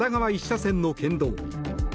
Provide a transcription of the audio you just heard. １車線の県道。